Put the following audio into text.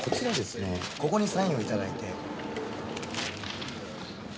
ここにサインを頂いて。